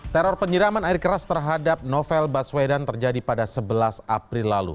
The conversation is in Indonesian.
teror penyiraman air keras terhadap novel baswedan terjadi pada sebelas april lalu